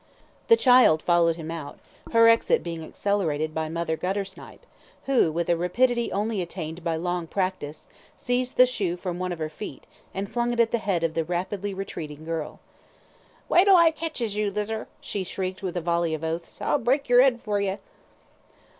The child followed him out, her exit being accelerated by Mother Guttersnipe, who, with a rapidity only attained by long practice, seized the shoe from one of her feet, and flung it at the head of the rapidly retreating girl. "Wait till I ketches yer, Lizer," she shrieked, with a volley of oaths, "I'll break yer 'ead for ye!"